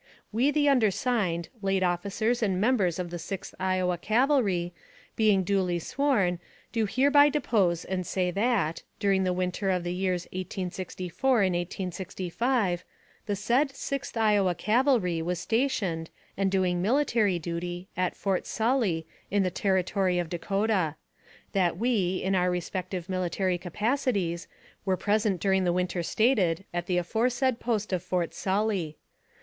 WE, the undersigned, late officers and members of the Sixth Iowa Cavalry, being duly sworn, do hereby depose and say that, during the winter of the. years 1864 and 1865, the said Sixth Iowa Cavalry was sta tioned, and doing military duty, at Fort Sully, in the Territory of Dakota; that we, in our respective mili tary capacities, were present during the winter stated at the aforesaid post of Fort Sully.